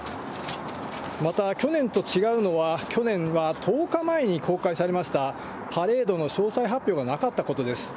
また、去年と違うのは、去年は１０日前に公開されましたパレードの詳細発表がなかったことです。